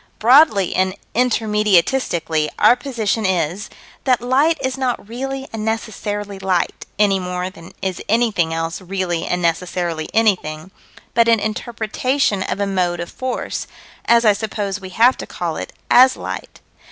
Broadly and intermediatistically, our position is: That light is not really and necessarily light any more than is anything else really and necessarily anything but an interpretation of a mode of force, as I suppose we have to call it, as light.